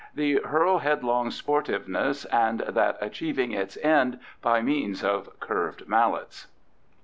The hurl headlong sportiveness and that achieving its end by means of curved mallets.